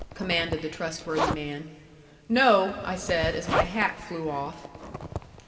commanded the trustworthy man. "No," I said, as my hat flew off.